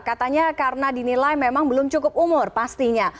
katanya karena dinilai memang belum cukup umur pastinya